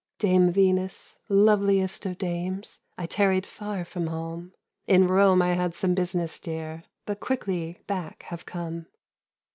"Dame Venus, loveliest of dames, I tarried far from home. In Rome I had some business, dear, But quickly back have come.